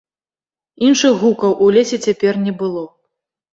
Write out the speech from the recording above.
Іншых гукаў у лесе цяпер не было.